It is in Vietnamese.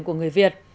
của người việt